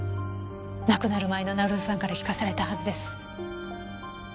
亡くなる前の成尾さんから聞かされたはずです。